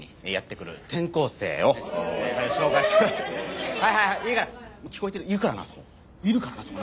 いるからなそこ。